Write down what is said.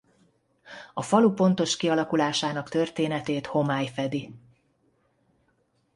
A falu pontos kialakulásának történetét homály fedi.